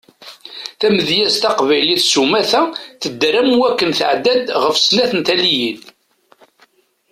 Tamedyazt taqbaylit sumata tedder am waken tɛedda-d ɣef snat n taliyin.